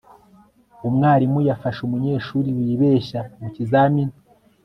umwarimu yafashe umunyeshuri wibeshya mu kizamini